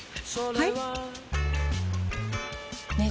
はい！